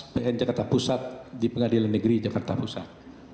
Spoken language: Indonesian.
pn jakarta pusat di pengadilan negeri jakarta pusat